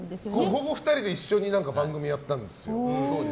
ここ２人で一緒に番組したんですよ。